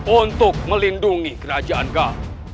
untuk melindungi kerajaan gal